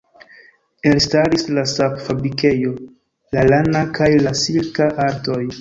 Elstaris la sap-fabrikejo, la lana kaj la silka artoj.